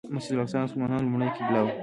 مسجد الاقصی د مسلمانانو لومړنۍ قبله وه.